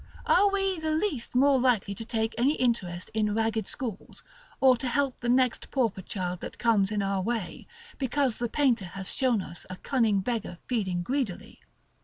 Are we the least more likely to take any interest in ragged schools, or to help the next pauper child that comes in our way, because the painter has shown us a cunning beggar feeding greedily?